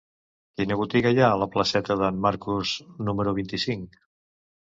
Quina botiga hi ha a la placeta d'en Marcús número vint-i-cinc?